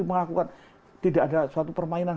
mengaku kan tidak ada suatu permainan